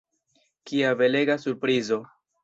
Kia belega surprizo!